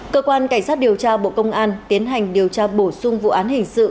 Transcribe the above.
cơ quan cảnh sát điều tra bộ công an tiến hành điều tra bổ sung vụ án hình sự